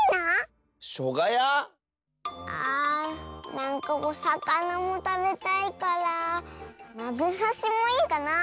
なんかおさかなもたべたいから「まぐさし」もいいかなあ。